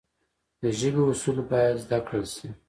د ژبي اصول باید زده کړل سي.